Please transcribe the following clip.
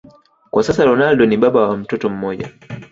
Kwa sasa Ronaldo ni baba wa mtoto mmoja